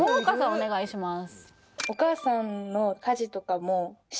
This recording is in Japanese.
お願いします